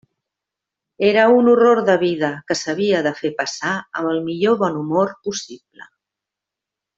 Era un horror de vida que s'havia de fer passar amb el millor bon humor possible.